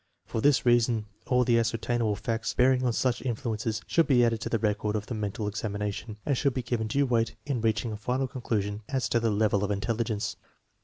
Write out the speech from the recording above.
For this reason, all the ascertainable facts bearing on such influences should be added to the record of the mental examination, and should be given due weight in reaching a final conclusion as to the level of intelligence.